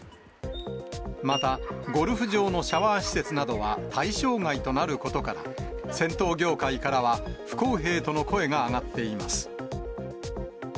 またゴルフ場のシャワー施設などは対象外となることから、銭湯業界からは不公平との声が上がっています。